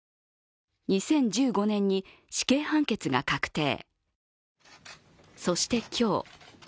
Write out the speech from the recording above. ２０１５年に、死刑判決が確定。